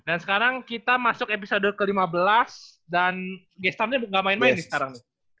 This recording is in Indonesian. dan sekarang kita masuk episode ke lima belas dan gestantnya nggak main main sekarang